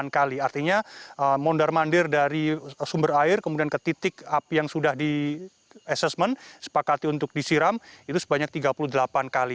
delapan kali artinya mondar mandir dari sumber air kemudian ke titik api yang sudah di assessment sepakati untuk disiram itu sebanyak tiga puluh delapan kali